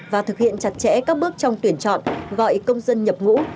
và thực hiện chặt chẽ các bước trong tuyển chọn gọi công dân nhập ngũ